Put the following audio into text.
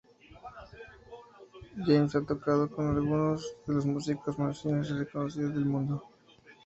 James ha tocado con algunos de los músicos más finos y reconocidos del mundo.